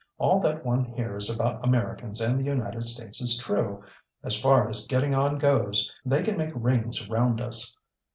All that one hears about Americans and the United States is true. As far as getting on goes, they can make rings round us.